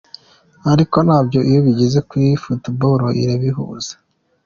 Ariko nabyo iyo bigeze kuri football irabihuza.